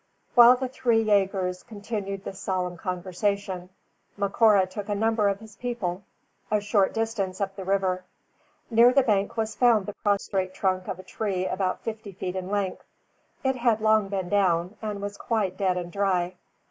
While the three yagers continued the solemn conversation, Macora took a number of his people a short distance up the river. Near the bank was found the prostrate trunk of a tree about fifty feet in length. It had long been down; and was quite dead and dry.